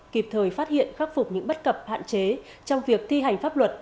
kịp thời phát hiện khắc phục những bất cập hạn chế trong việc thi hành pháp luật